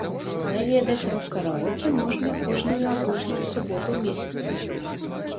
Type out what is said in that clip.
Наведаць рок-караоке можна кожную апошнюю суботу месяца.